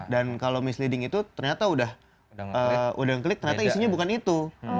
dan kalau misleading itu ternyata udah ngeklik ternyata isinya bukan itu